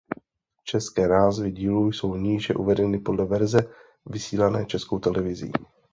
České názvy dílů jsou níže uvedeny podle verze vysílané Českou televizí.